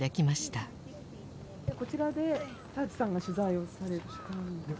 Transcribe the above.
こちらで澤地さんが取材をされたんですか？